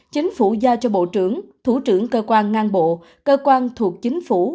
chính phủ giao cho bộ trưởng thủ trưởng cơ quan ngang bộ cơ quan thuộc chính phủ